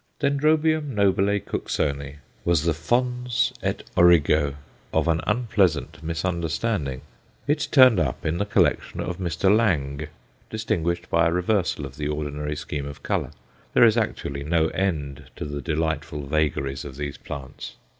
D. nobile Cooksoni was the fons et origo of an unpleasant misunderstanding. It turned up in the collection of Mr. Lange, distinguished by a reversal of the ordinary scheme of colour. There is actually no end to the delightful vagaries of these plants.